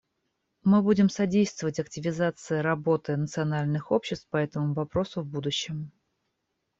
Мы будем содействовать активизации работы национальных обществ по этому вопросу в будущем.